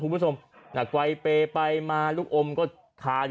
ลูกโอมฆากคอถ้ากลัวกาย